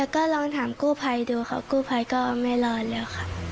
ก็เล่นด้วยกันตลอดเลย